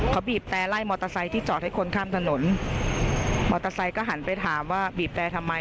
เขาบีบแต่ไล่มอเตอร์ไซค์ที่จอดให้คนข้ามถนนมอเตอร์ไซค์ก็หันไปถามว่าบีบแต่ทำไม